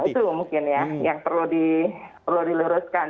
itu mungkin ya yang perlu diluruskan